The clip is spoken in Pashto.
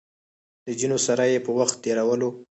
له ځينو سره يې په وخت تېرولو